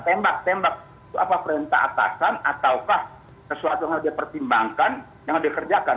tembak tembak itu apa perintah atasan ataukah sesuatu yang harus dipertimbangkan yang harus dikerjakan